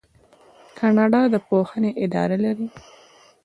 کاناډا د پوهنې اداره لري.